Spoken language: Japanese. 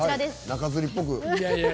中づりっぽく。